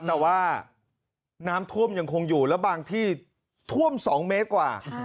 แต่ว่าน้ำท่วมยังคงอยู่แล้วบางที่ท่วม๒เมตรกว่า